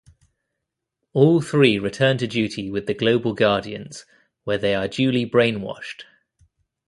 All three return to duty with the Global Guardians, where they are duly brainwashed.